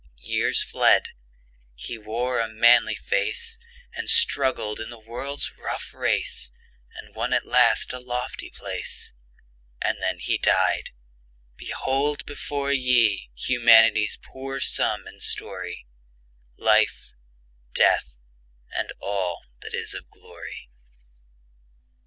Years fled; he wore a manly face, And struggled in the world's rough race, And won at last a lofty place. And then he died! Behold before ye Humanity's poor sum and story; Life, Death, and all that is of glory.